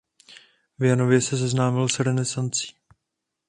V Janově se seznámil s renesancí.